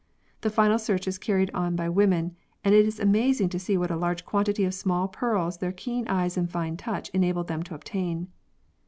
The final search is carried on by women, and it is amazing to see what a large quantity of small pearls their keen eyes and fine touch enable them to obtain.